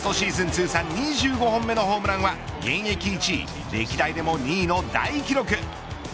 通算２５本目のホームランは現役１位歴代でも２位の大記録。